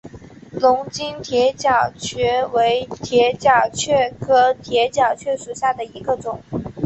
龙津铁角蕨为铁角蕨科铁角蕨属下的一个种。